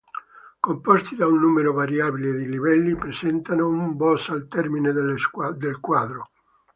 Composti da un numero variabile di livelli, presentano un boss al termine del quadro.